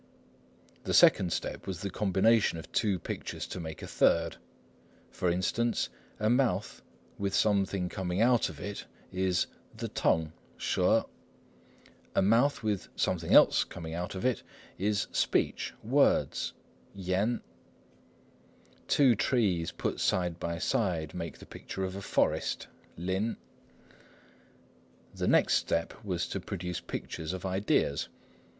The second step was the combination of two pictures to make a third; for instance, a mouth with something coming out of it is "the tongue," 舌; a mouth with something else coming out of it is "speech," "words," 言; two trees put side by side make the picture of a "forest," 林. The next step was to produce pictures of ideas.